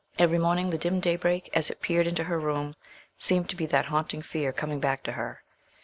Every morning the dim daybreak as it peered into her room seemed to be that haunting fear coming back to her.